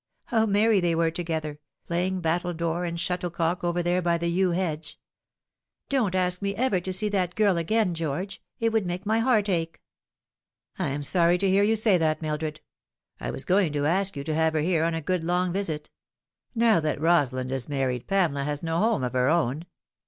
How merry they were together, playing battledore and shuttlecock over there by the yew hedge ! Don't ask me ever to see that girl again, George. It would make my heart ache." " I am sorry to hear you say that, Mildred. I was going to ask you to have her here on a good long visit. Now that Rosa lind is married, Pamela has no home of her own.